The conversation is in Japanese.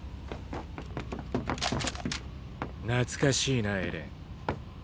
懐かしいなエレン。